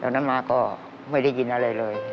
ตอนนั้นมาก็ไม่ได้ยินอะไรเลย